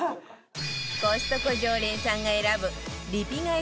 コストコ常連さんが選ぶリピ買い